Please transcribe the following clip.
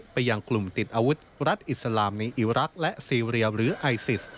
ไปยังกลุ่มติดอาวุธรัฐอิสลามในอิรักษ์และซีเรียหรือไอซิส